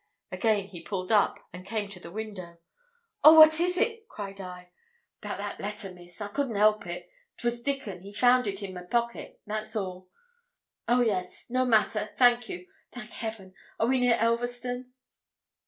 Again he pulled up, and came to the window. 'Oh, what is it?' cried I. ''Bout that letter, Miss; I couldn't help. 'Twas Dickon, he found it in my pocket. That's a'.' 'Oh yes! no matter thank you thank Heaven! Are we near Elverston?'